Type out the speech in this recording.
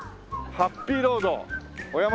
ハッピーロード